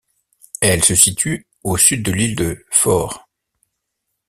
Elle se situe au sud de l'île de Föhr.